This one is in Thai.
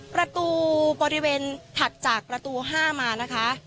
ประตูบริเวณถัดจากประตู๕มานะคะ